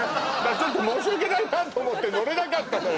ちょっと申し訳ないなと思って乗れなかったのよ